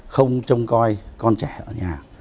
không trông coi con trẻ ở nhà